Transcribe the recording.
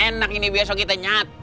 enak ini besok kita nyate